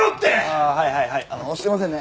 ああはいはいはいすいませんね。